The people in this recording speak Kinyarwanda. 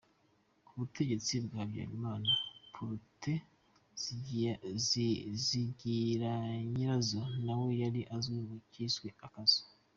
Ku butegetsi bwa Habyarimana, Protais Zigiranyirazo nawe yari azwi mu cyiswe « Akazu ».